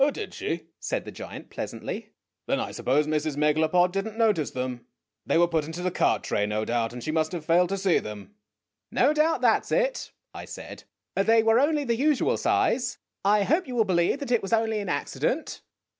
"Oh, did she?" said the giant, pleasantly. "Then I suppose Mrs. Megalopod did n't notice them. They were put into the card tray, no doubt, and she must have failed to see them." "No doubt that 's it," I said. "They were only the usual size. I hope you will believe that it was only an accident."